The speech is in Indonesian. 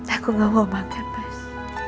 aku gak mau banget mas